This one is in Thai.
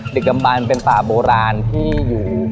เด็กกำมันเป็นป่าโบราณที่อยู่